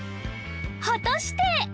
果たして？